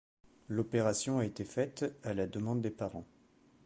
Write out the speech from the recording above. L'opération a été faite à la demande des parents.